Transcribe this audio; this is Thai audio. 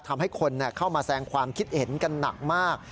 ทำให้คนเข้ามาแสงความคิดเห็นกันหนักมาก